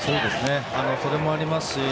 それもありますし